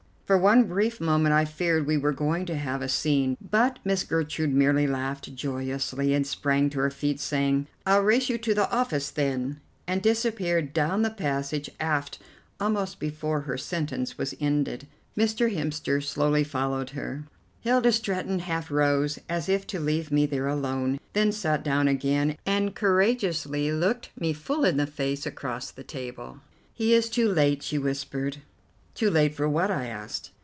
For one brief moment I feared we were going to have a scene, but Miss Gertrude merely laughed joyously and sprang to her feet, saying, "I'll race you to the office then," and disappeared down the passage aft almost before her sentence was ended. Mr. Hemster slowly followed her. Hilda Stretton half rose, as if to leave me there alone, then sat down again, and courageously looked me full in the face across the table. "He is too late," she whispered. "Too late for what?" I asked.